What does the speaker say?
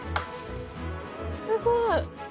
すごい。